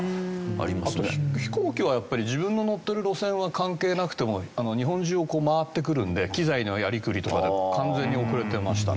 あと飛行機はやっぱり自分の乗ってる路線は関係なくても日本中を回ってくるので機材のやりくりとかで完全に遅れてましたね。